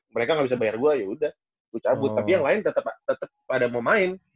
mereka gak bisa bayar gue yaudah tapi yang lain tetep pada mau main